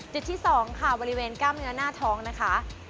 จุดที่๒ค่ะบริเวณกล้ามเนื้อหน้าท้องนะคะ